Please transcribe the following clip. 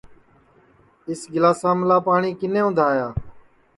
اِس گِلاساملا پاٹؔی کِنے اُندھایا